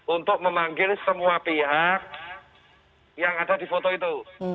untuk memanggil semua pihak yang ada di foto itu